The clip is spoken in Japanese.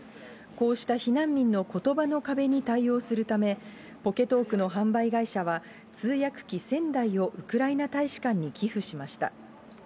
こうした避難民のことばの壁に対応するため、ポケトークの販売会社は、通訳機１０００台をウクライナ大使館に寄付しました。